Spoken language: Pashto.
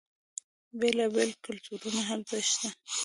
بیلا بیل کلتورونه هلته شته.